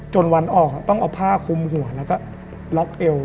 วันออกต้องเอาผ้าคุมหัวแล้วก็ล็อกเอว